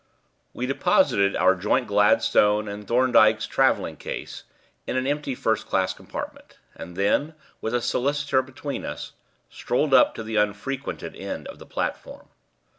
We deposited our joint Gladstone and Thorndyke's travelling case in an empty first class compartment, and then, with the solicitor between us, strolled up to the unfrequented end of the platform.